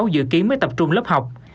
dự kiến mới tập trung lớp học